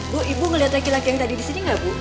bu ibu ngeliat laki laki yang tadi disini gak bu